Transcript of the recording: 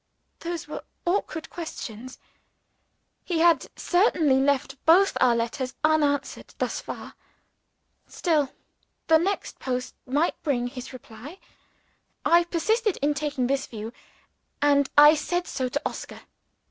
Those were awkward questions. He had certainly left both our letters unanswered thus far. Still, the next post might bring his reply. I persisted in taking this view; and I said so to Oscar.